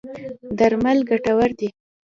درمل ګټور دی.